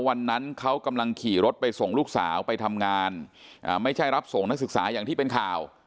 วันนั้นเขากำลังขี่รถไปส่งลูกสาวไปทำงานไม่ใช่รับส่งนักศึกษาอย่างที่เป็นข่าว